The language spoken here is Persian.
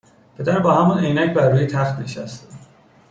پدر با همان عینک بروی تخت نشسته